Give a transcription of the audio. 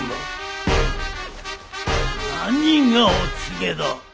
何がお告げだ！